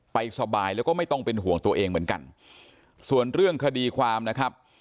ไปสบายแล้วก็ไม่ต้องเป็นห่วงตัวเองเหมือนกันส่วนเรื่องคดีความนะครับ